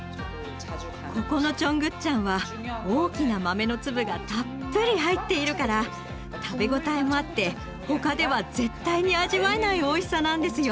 ここのチョングッチャンは大きな豆の粒がたっぷり入っているから食べ応えもあって他では絶対に味わえないおいしさなんですよ。